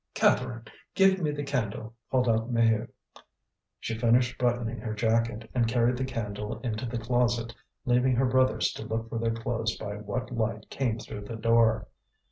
"Catherine, give me the candle," called out Maheu. She finished buttoning her jacket, and carried the candle into the closet, leaving her brothers to look for their clothes by what light came through the door.